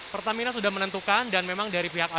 pertamina sudah menentukan dan memang dari pihak